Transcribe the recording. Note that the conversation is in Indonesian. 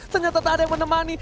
ternyata tak ada yang menemani